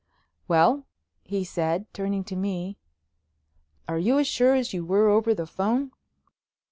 "Well?" he said, turning to me, "are you as sure as you were over the phone?"